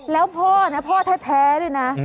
แล้วพ่อนะพ่อแท้ด้วยนะ